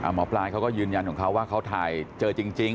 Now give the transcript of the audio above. หมอปลายเขาก็ยืนยันของเขาว่าเขาถ่ายเจอจริง